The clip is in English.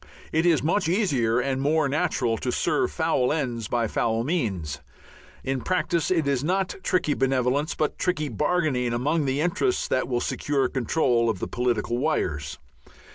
It is much easier and more natural to serve foul ends by foul means. In practice it is not tricky benevolence but tricky bargaining among the interests that will secure control of the political wires.